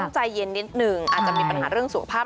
ใจเย็นนิดนึงอาจจะมีปัญหาเรื่องสุขภาพ